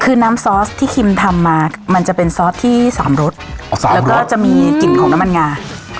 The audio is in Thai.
คือน้ำซอสที่คิมทำมามันจะเป็นซอสที่สามรสแล้วก็จะมีกลิ่นของน้ำมันงา